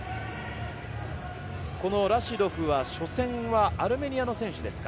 このラシドフは初戦はアルメニアの選手ですか。